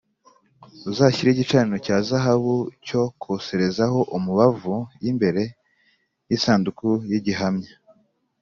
Uzashyire igicaniro cya zahabu cyo koserezaho umubavu y imbere y isanduku y igihamya